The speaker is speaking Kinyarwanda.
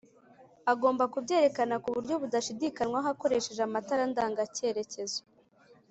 agomba kubyerekana kuburyo budashidikanywaho akoresheje amatara ndanga cyerekezo